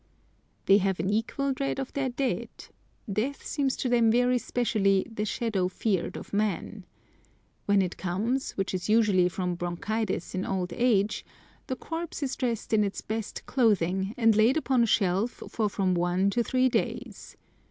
They have an equal dread of their dead. Death seems to them very specially "the shadow fear'd of man." When it comes, which it usually does from bronchitis in old age, the corpse is dressed in its best clothing, and laid upon a shelf for from one to three days.